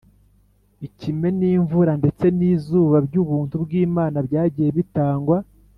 . Ikime n’imvura ndetse n’izuba by’ubuntu bw’Imana byagiye bitangwa